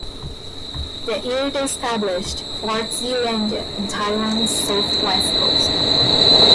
That year they established Fort Zeelandia on Taiwan's southwest coast.